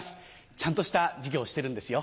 ちゃんとした授業してるんですよ。